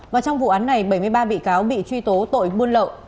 và trong vụ án này bảy mươi ba bị cáo bị truy tố tội buôn lậu